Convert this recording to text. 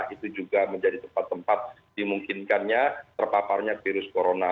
itu juga menjadi tempat tempat dimungkinkannya terpaparnya virus corona